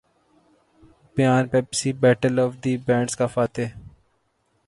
بیان Pepsi Battle of the Bands کا فاتح